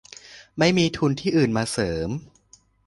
ไม่มีทุนที่อื่นมาเสริม